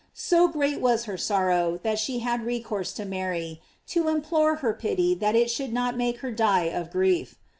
So great was her sorrow that she had recourse to Mary, to implore her pity that it should not make her die of grief.